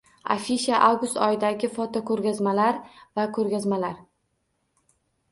Afisha: avgust oyidagi fotoko‘rgazmalar va ko‘rgazmalar